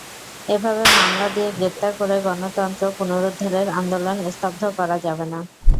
এভাবে মামলা দিয়ে গ্রেপ্তার করে গণতন্ত্র পুনরুদ্ধারের আন্দোলন স্তব্ধ করা যাবে না।